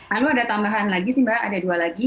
lalu ada tambahan lagi sih mbak ada dua lagi